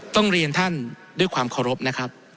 ต้องเรียนท่านด้วยความเคารพนะครับ